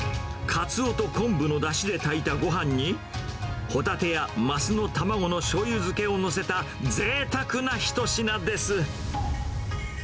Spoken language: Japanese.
カツオと昆布のだしで炊いたごはんに、ホタテやマスの卵のしょうゆ漬けを載せた、ぜいたくな一品です。